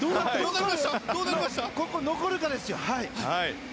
ここ、残るかですよ。